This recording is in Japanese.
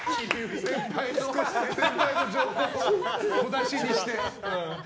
先輩の情報を小出しにしてね。